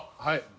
はい。